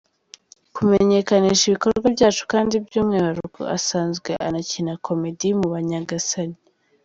Kumenyekanisha ibikorwa byacu kandi by’umwihariko asanzwe anakina comedie mu Banyagasani.